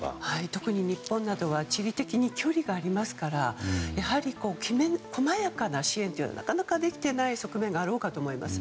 特に日本などは地理的に距離がありますからやはり、細やかな支援というのはなかなかできていない側面があろうかと思います。